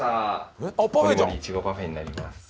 もりもりいちごパフェになります。